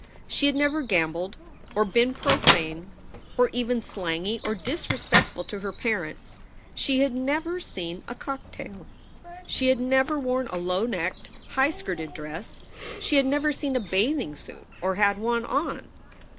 She had never gambled, or been profane or even slangy SOULS FOR SALE 49 or disrespectful to her parents. She had never seen a cocktail. She had never worn a low necked, high skirted dress. She had never seen a bathing suit or had one on.